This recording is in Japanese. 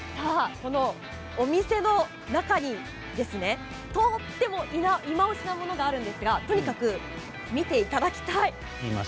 お店の中にとてもいまオシなものがあるんですがとにかく見ていただきたい。